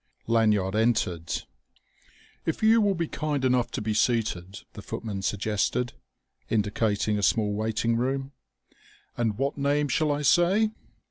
Lanyard entered. "If you will be kind enough to be seated," the footman suggested, indicating a small waiting room. "And what name shall I say?"